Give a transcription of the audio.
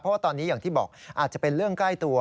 เพราะว่าตอนนี้อย่างที่บอกอาจจะเป็นเรื่องใกล้ตัว